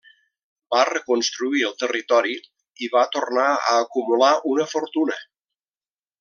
Va reconstruir el territori, i va tornar a acumular una fortuna.